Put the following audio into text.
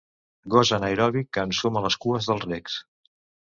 Gos anaeròbic que ensuma les cues dels regs.